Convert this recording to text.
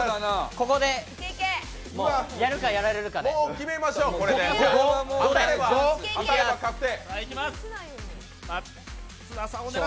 ここで、やるかやられるかで当たれば確定。